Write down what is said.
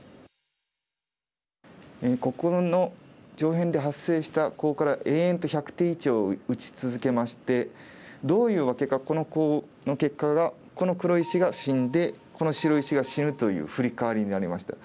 ここの上辺で発生したコウから延々と１００手以上打ち続けましてどういうわけかこのコウの結果がこの黒石が死んでこの白石が死ぬというフリカワリになりました。